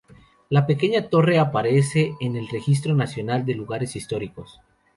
La pequeña torre aparece en el Registro Nacional de Lugares Históricos.